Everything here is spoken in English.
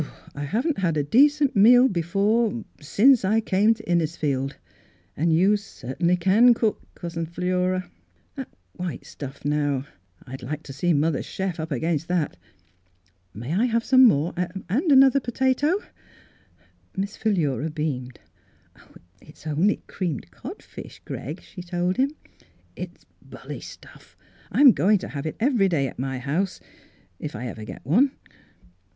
" I haven't had a decent meal before, since I came to Innisfield ; and you cer tainly can cook, Cousin Philura. That white stuff, now. I'd like to see mother's chef up against that. May I have some more; and another potato .^^" Miss Philura beamed. [1*1] ?9 Miss Fhilura's Wedding Gown " It's only creamed cod fish, Greg she told him. " It's bully stuff. I'm going to have it every day at my house — if I ever get one."